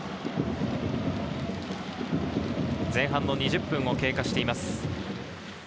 前半２０分が経過しています。